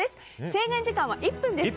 制限時間は１分です。